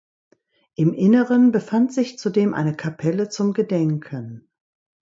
Im Inneren befand sich zudem eine Kapelle zum Gedenken.